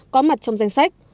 có mặt trong danh sách